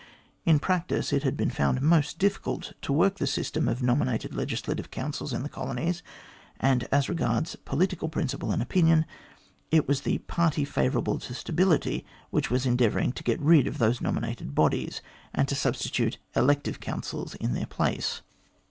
In practice it had been found most difficult to work the system of nominated legislative councils in the colonies, and, as regards political principle and opinion, it was the party favourable to stability which was endeavour ing to get rid of those nominated bodies, and to substitute elective councils in their place.